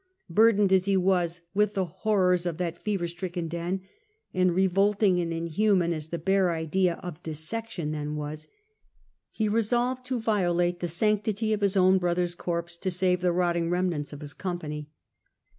Burdened as he was with the horrors of that fever stricken den, and revolting and inhuman as the b^e idea of dissection then was, he resolved to violate the sanctity of his own brother's corpse to save the rotting remnants of his company.